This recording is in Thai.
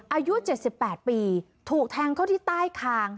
อายุ๗๘ปีถูกแทงเข้าที่ใต้คาง